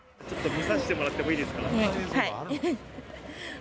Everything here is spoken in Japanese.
ちょっと見させてもらってもいいですか？